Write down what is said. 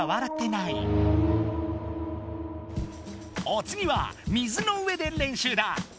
おつぎは水の上で練習だ。